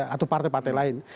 atau partai partai lain